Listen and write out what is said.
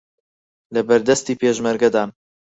لەبەردەستی پێشمەرگەدان